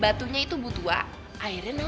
batunya itu butua airnya naura